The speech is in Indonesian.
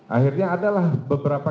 akhirnya adalah beberapa